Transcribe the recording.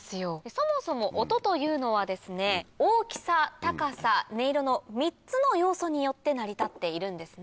そもそも音というのはですね大きさ高さ音色の３つの要素によって成り立っているんですね。